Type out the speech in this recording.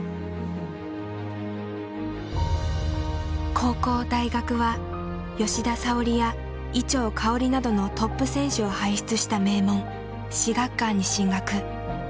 高校大学は吉田沙保里や伊調馨などのトップ選手を輩出した名門至学館に進学。